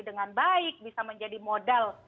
dengan baik bisa menjadi modal